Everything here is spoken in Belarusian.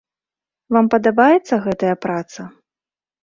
Вам падабаецца гэтая праца?